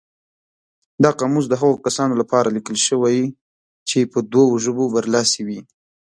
دا قاموس د هغو کسانو لپاره لیکل شوی چې په دوو ژبو برلاسي وي.